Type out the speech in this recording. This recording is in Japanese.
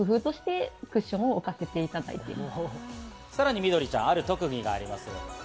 さらにみどりちゃん、ある特技があります。